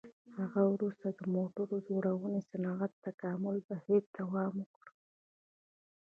له هغه وروسته د موټر جوړونې صنعت د تکامل بهیر دوام وکړ.